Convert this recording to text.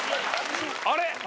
あれ？